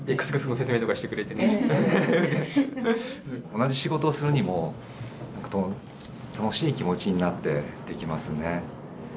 同じ仕事をするにも楽しい気持ちになってできますね。